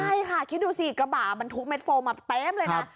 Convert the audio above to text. ใช่ค่ะคิดดูสิกระบะบรรทุกเม็ดโฟมมาเต็มเลยนะ